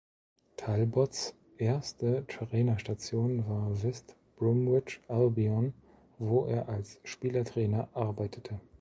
Talbots erste Trainerstation war West Bromwich Albion, wo er als Spielertrainer arbeitete.